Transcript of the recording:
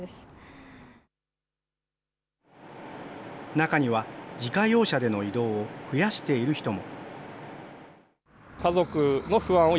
中には、自家用車での移動を増やしている人も。